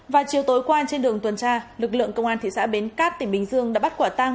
vào chiều tối qua trên đường tuần tra lực lượng công an thị xã bến cát tỉnh bình dương đã bắt quả tang